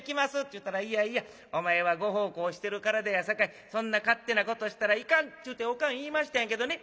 ちゅうたら『いやいやお前はご奉公してる体やさかいそんな勝手なことしたらいかん』ちゅうておかん言いましたんやけどね